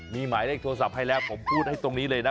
มีหมายเลขโทรศัพท์ให้แล้วผมพูดให้ตรงนี้เลยนะ